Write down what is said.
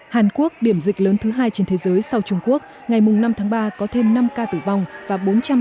hàn quốc điểm dịch lớn thứ hai trên thế giới sau trung quốc ngày năm ba có thêm năm ca tử vong và bốn trăm sáu mươi bảy